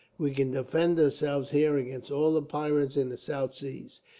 We can defend ourselves here against all the pirates of the South Seas.